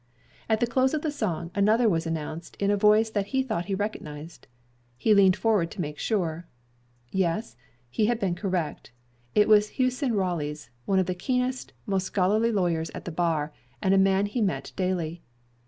At the close of the song, another was announced in a voice that he thought he recognized. He leaned forward to make sure. Yes, he had been correct. It was Hewson Raleigh's one of the keenest, most scholarly lawyers at the bar, and a man he met daily.